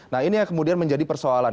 nah ini yang kemudian menjadi persoalan